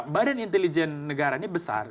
badan intelijen negara ini besar